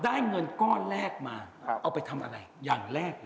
เงินก้อนแรกมาเอาไปทำอะไรอย่างแรก